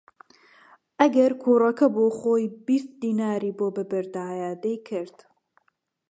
ئەگەر کوڕەکە بۆ خۆی بیست دیناری بۆ ببردایە دەیکرد